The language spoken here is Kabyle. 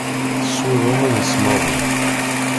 Teswiḍ aman isemmaḍen.